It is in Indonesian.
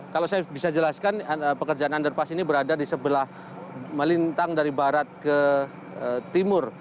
kalau saya bisa jelaskan pekerjaan underpass ini berada di sebelah melintang dari barat ke timur